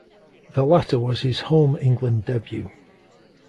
The latter was his home England debut.